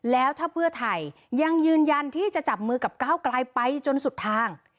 แล้วถ้าเพื่อไทยยังยืนยันที่จะจับมือกับก้าวกลายไปจนสุดทาง